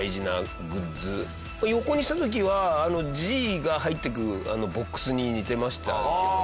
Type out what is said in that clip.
横にした時はＧが入ってくるボックスに似てましたけどね。